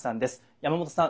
山本さん